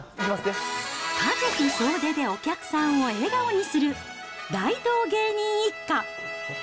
家族総出でお客さんを笑顔にする大道芸人一家。